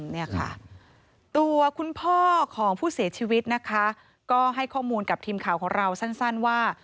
เนี่ยค่ะตัวคุณพ่อของผู้เสียชีวิตนะคะก็ให้ข้อมูลกับทีมข่าวของเราสั้นว่า